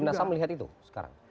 komnas ham melihat itu sekarang